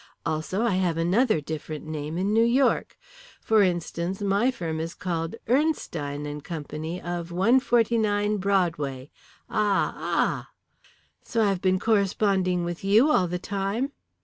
Also I have another different name in New York. For instance, my firm is called Ernstein and Co., of 149, Broadway. Ah, ah!" "So I have been corresponding with you all the time?"